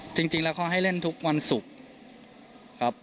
จริงแล้วเขาให้เล่นทุกวันศุกร์ครับ